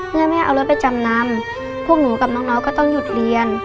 แม่เอารถไปจำนำพวกหนูกับน้องก็ต้องหยุดเรียน